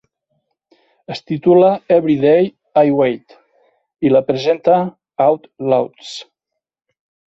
Es titula "Everyday I Wait" i la presenta Outlawz.